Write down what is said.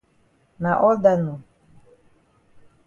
Na all dat nor.